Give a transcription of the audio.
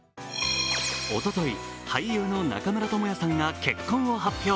おととい、俳優の中村倫也さんが結婚を発表。